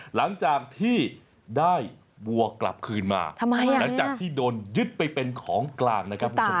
หลังจากที่ได้วัวกลับคืนมาหลังจากที่โดนยึดไปเป็นของกลางนะครับคุณผู้ชม